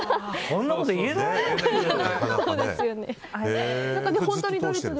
そんなこと言えないよ、普通。